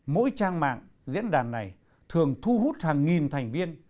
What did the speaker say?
mỗi trang mạng diễn đàn này thường thu hút hàng nghìn thành viên